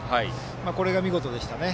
これが見事でしたね。